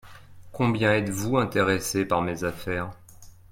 Combien êtes-vous intéressé par mes affaires ?